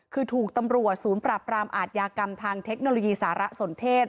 คือถูกตำรวจศูนย์ปราบรามอาทยากรรมทางเทคโนโลยีสารสนเทศ